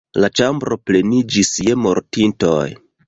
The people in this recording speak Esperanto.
La ĉambro pleniĝis je mortintoj.